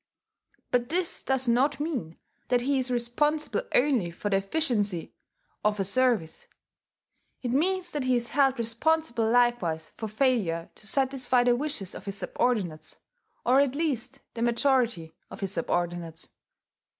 But this does not mean that he is responsible only for the efficiency of a service: it means that he is held responsible likewise for failure to satisfy the wishes of his subordinates, or at least the majority of his subordinates.